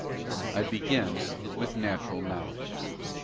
I begin with Natural Knowledge.